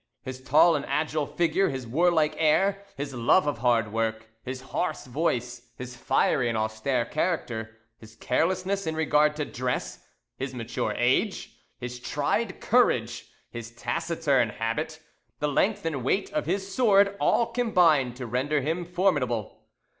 His tall and agile figure, his warlike air, his love of hard work, his hoarse voice, his fiery and austere character, his carelessness in regard to dress, his mature age, his tried courage, his taciturn habit, the length and weight of his sword, all combined to render him formidable.